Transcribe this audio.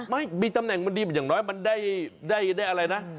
ไม่มีตำแหน่งมันดีอย่างน้อยมันได้อะไรนะ